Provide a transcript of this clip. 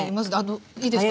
いいですか？